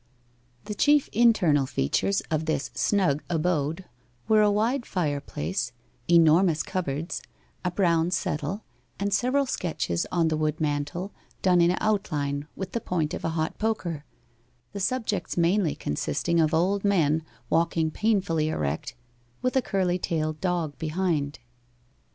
The chief internal features of this snug abode were a wide fireplace, enormous cupboards, a brown settle, and several sketches on the wood mantel, done in outline with the point of a hot poker the subjects mainly consisting of old men walking painfully erect, with a curly tailed dog behind.